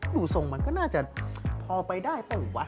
ดูทรงมันก็น่าจะพอไปได้เปล่าวะ